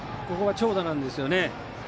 ここは長打なんですよね。